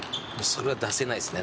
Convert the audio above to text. それは出せないですね